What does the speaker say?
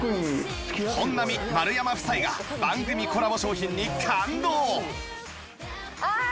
本並丸山夫妻が番組コラボ商品に感動！